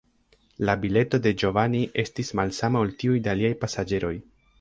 La bileto de Giovanni estis malsama ol tiuj de aliaj pasaĝeroj.